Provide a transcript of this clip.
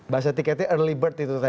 bahasa tiketnya early bird itu tadi